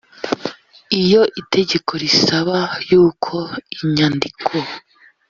iyo itegeko risaba y uko inyandiko